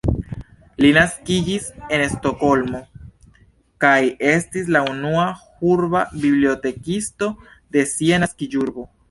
Li naskiĝis en Stokholmo kaj estis la unua urba bibliotekisto de sia naskiĝurbo.